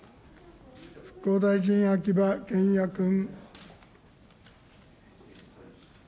復興大臣、秋葉賢也君。